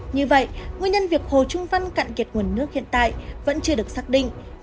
như vậy nguyên nhân việc hồ trung văn cạn kiệt nguồn nước hiện tại vẫn chưa được xác định